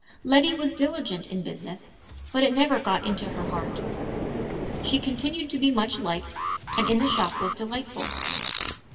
Letty was diligent in business, but it never got into her heart. She continued to be much liked, and in the shop was delightful.